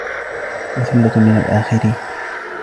وثلة من الآخرين